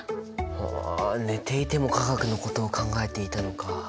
はあ寝ていても化学のことを考えていたのか。